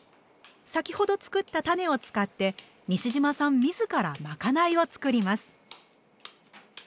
先ほど作ったたねを使って西島さん自らまかないを作ります。